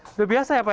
sudah biasa ya pak